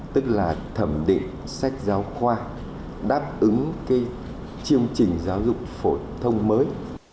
tức là thẩm định sách giáo khoa đáp ứng cái chương trình giáo dục phổ thông mới